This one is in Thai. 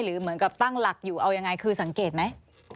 เหมือนกับตั้งหลักอยู่เอายังไงคือสังเกตไหม